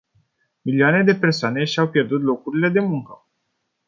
Milioane de persoane și-au pierdut locurile de muncă.